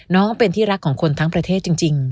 น้องเป็นที่รักของคนทั้งประเทศจริง